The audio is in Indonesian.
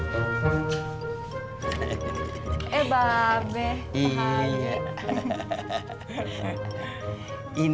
tuh gimana basketball lagi gak boleh udah tonton